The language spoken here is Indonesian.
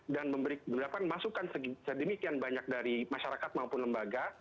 dan memberikan masukan sedemikian banyak dari masyarakat maupun lembaga